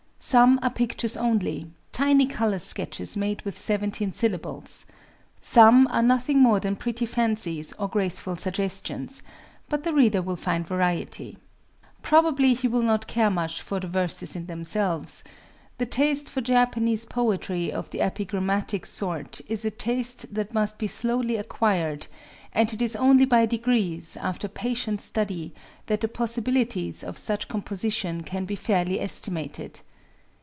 Some are pictures only,—tiny color sketches made with seventeen syllables; some are nothing more than pretty fancies, or graceful suggestions;—but the reader will find variety. Probably he will not care much for the verses in themselves. The taste for Japanese poetry of the epigrammatic sort is a taste that must be slowly acquired; and it is only by degrees, after patient study, that the possibilities of such composition can be fairly estimated.